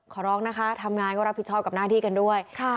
ขอร้องนะคะทำงานก็รับผิดชอบกับหน้าที่กันด้วย